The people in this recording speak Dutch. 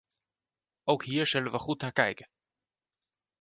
Ook hier zullen we goed naar kijken.